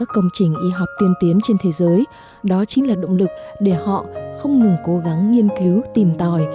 đó chính là động lực để họ không ngừng cố gắng nghiên cứu tìm tòi